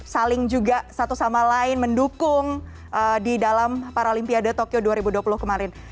saling juga satu sama lain mendukung di dalam paralimpiade tokyo dua ribu dua puluh kemarin